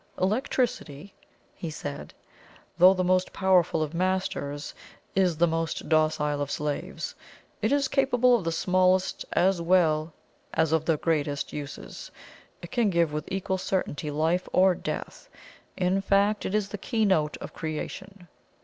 "Electricity," he said, "though the most powerful of masters, is the most docile of slaves. It is capable of the smallest as well as of the greatest uses. It can give with equal certainty life or death; in fact, it is the key note of creation."